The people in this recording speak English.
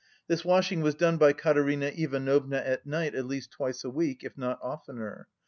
This washing was done by Katerina Ivanovna at night at least twice a week, if not oftener.